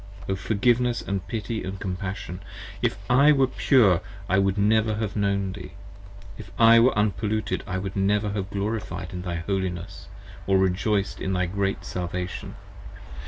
Forgiveness & Pity & Compassion! If I were Pure I should never 45 Have known Thee: If I were Unpolluted I should never have Glorified thy Holiness, or rejoiced in thy great Salvation.